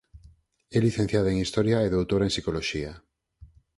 É licenciada en Historia e doutora en Psicoloxía.